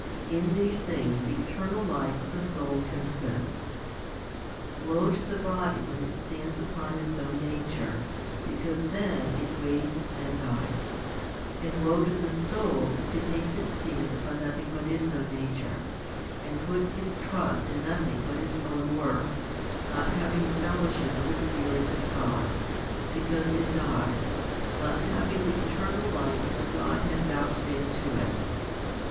In these things the eternal life of the soul consists. Woe to the body when it stands upon its own nature, because then it wastes and dies ; and woe to the soul if it takes its stand upon nothing but its own nature, and puts its trust in nothing but its own works, not having the fellowship of the Spirit of God, because it dies, not having the eternal life of the Godhead vouchsafed to it.